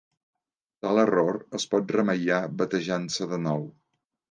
Tal error es pot remeiar batejant-se de nou.